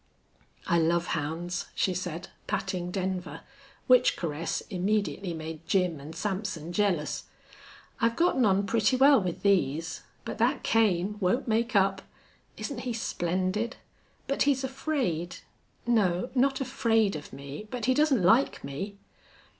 "I love hounds," she said, patting Denver, which caress immediately made Jim and Sampson jealous. "I've gotten on pretty well with these, but that Kane won't make up. Isn't he splendid? But he's afraid no, not afraid of me, but he doesn't like me."